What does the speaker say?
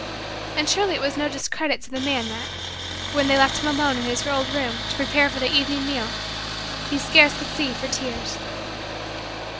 And surely it was no discredit to the man that, when they left him alone in his old room to prepare for the evening meal, he scarce could see for tears.